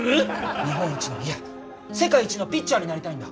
日本一のいや世界一のピッチャーになりたいんだ！